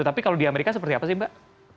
tapi kalau di amerika seperti apa sih mbak